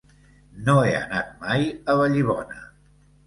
No he anat mai a Vallibona.